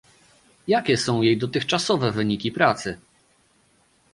Jakie są jej dotychczasowe wyniki pracy?